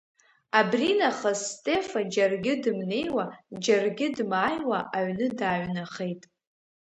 Абри нахыс Стефа џьаргьы дымнеиуа, џьаргьы дмааиуа, аҩны дааҩнахеит.